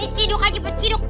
iya tiduk aja pecih tiduk